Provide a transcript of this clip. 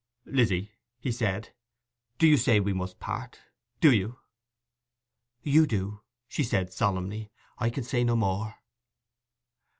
'Lizzy,' he said, 'do you say we must part—do you?' 'You do,' she said solemnly. 'I can say no more.